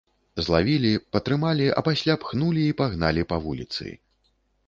Злавілі, патрымалі, а пасля пхнулі і пагналі па вуліцы.